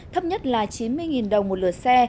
thấp nhất là chín mươi đồng một lửa xe